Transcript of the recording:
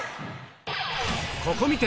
ここ観て！